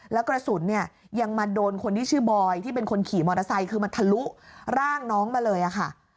แล้วกระสุนเนี่ยยังมาโดนคนที่ชื่อบอยที่เป็นคนขี่มอเตอร์ไซค์คือมันทะลุร่างน้องมาเลยค่ะ